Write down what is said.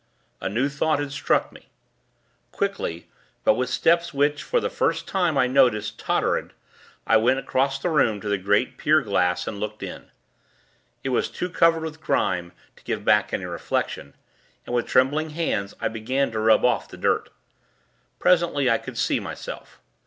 A new thought had struck me. Quickly, but with steps which, for the first time, I noticed, tottered, I went across the room to the great pier glass, and looked in. It was too covered with grime, to give back any reflection, and, with trembling hands, I began to rub off the dirt. Presently, I could see myself.